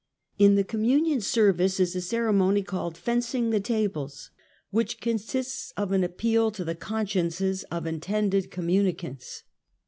In the communion service is a ceremony called "fencing the tables," which consists of an appeal to the consciences of intended communicants.